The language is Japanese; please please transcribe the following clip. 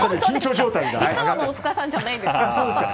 いつもの大塚さんじゃないですよ。